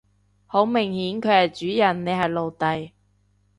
好明顯佢係主人你係奴隸